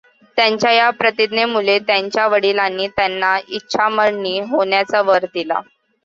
त्यांच्या या प्रतिज्ञेमुळे त्यांच्या वडिलांनी त्यांना इच्छामरणी होण्याचा वर दिला.